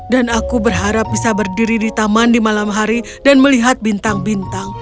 dan aku berharap bisa berdiri di taman di malam hari dan melihat bintang bintang